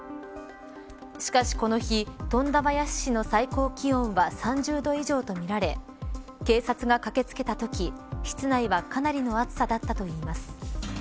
しかし、この日富田林市の最高気温は３０度以上とみられ警察が駆けつけたとき室内はかなりの暑さだったといいます。